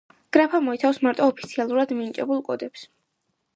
გრაფა მოიცავს მარტო ოფიციალურად მინიჭებულ კოდებს.